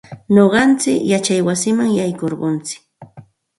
Nuqayku yachay wasiman yaykurquntsik.